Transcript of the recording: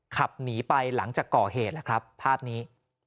ขับหนีไปหลังจากก่อเหตุแล้วครับภาพนี้